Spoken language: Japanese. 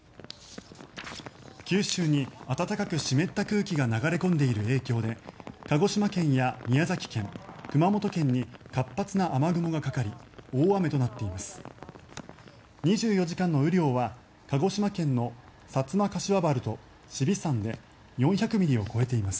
九州に暖かく湿った空気が流れ込んでいる影響で鹿児島県や宮崎県、熊本県に活発な雨雲がかかり大雨となっています。